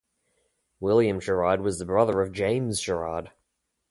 William Sherard was the brother of James Sherard.